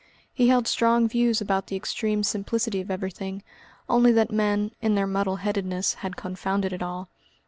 He held strong views about the extreme simplicity of everything, only that men, in their muddle headedness, had confounded it all.